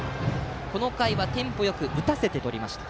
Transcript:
この回はテンポよく打たせてとりました。